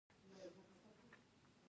خیر د اسلام بلنه ده